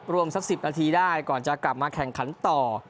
สัก๑๐นาทีได้ก่อนจะกลับมาแข่งขันต่อ